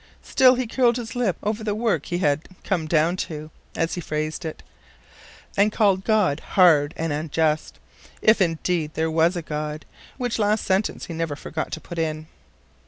Still he curled his lip over the work he had "come down to," as he phrased it, and called God hard and unjust—if, indeed, there was a God—which last sentence he never forgot to put in.